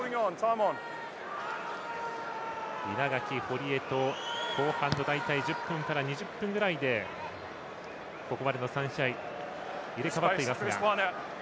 稲垣、堀江と後半の大体１０分から２０分ぐらいでここまでの３試合入れ代わっていますが。